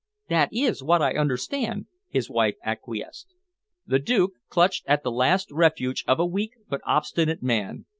"That is what I understand," his wife acquiesced. The Duke clutched at the last refuge of a weak but obstinate man.